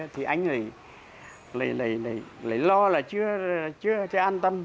thì anh lại lo là chưa an tâm